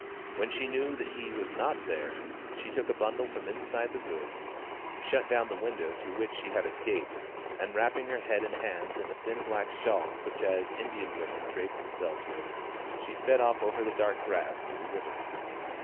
When she knew that he was not there, she took a bundle from inside the room, shut down the window through which she had escaped, and wrapping her head and hands in a thin black shawl such as Indian women drape themselves with, she sped off over the dark grass to the river.